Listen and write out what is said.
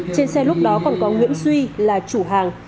trên xe lúc đó còn có nguyễn duy là chủ hàng